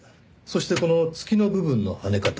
そしてこの「月」の部分のはね方。